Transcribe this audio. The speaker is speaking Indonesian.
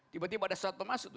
tiba tiba ada sesuatu yang masuk